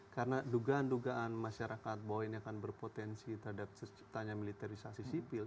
karena dugaan dugaan masyarakat bahwa ini akan berpotensi terhadap tanya militerisasi sipil